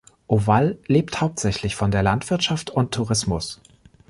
Ovalle lebt hauptsächlich von der Landwirtschaft und Tourismus.